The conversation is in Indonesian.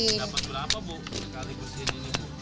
dapat curah apa bu